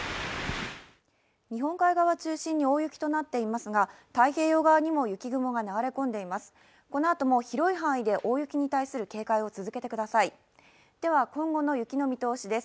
日本海側を中心に大雪となっていますが、太平洋側にも雪雲が流れ込んでいます。